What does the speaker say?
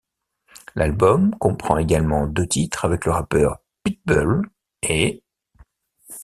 L'album comprend également deux titres avec le rappeur Pitbull, ' et '.